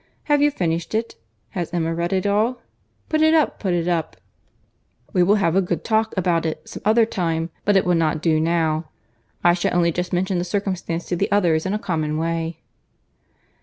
Have you finished it? Has Emma read it all? Put it up, put it up; we will have a good talk about it some other time, but it will not do now. I shall only just mention the circumstance to the others in a common way."